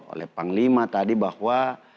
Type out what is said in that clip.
oleh panglima tadi bahwa